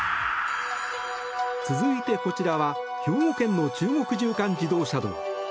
続いてこちらは兵庫県の中国縦貫自動車道。